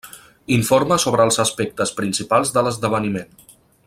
Informa sobre els aspectes principals de l'esdeveniment.